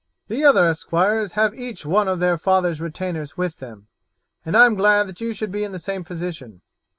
"The other esquires have each one of their father's retainers with them, and I am glad that you should be in the same position.